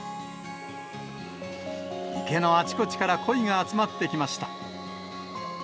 池のあちこちからコイが集まってきました。